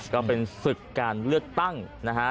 ก็เป็นศึกการเลือกตั้งนะฮะ